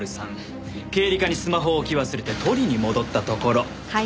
経理課にスマホを置き忘れて取りに戻ったところ。